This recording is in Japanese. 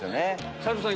斎藤さん